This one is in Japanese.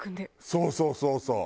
そうそうそうそう。